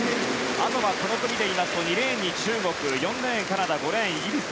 あとはこの組でいいますと２レーン中国３レーンにスウェーデン４レーンにカナダ５レーン、イギリス。